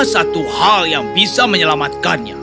satu hal yang bisa menyelamatkannya